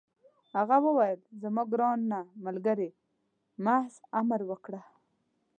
هغه وویل: زما ګرانه ملګرې، محض امر وکړه.